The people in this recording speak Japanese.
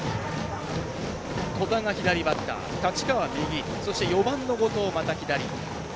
戸田が左バッター太刀川、右そして、４番の後藤、また左。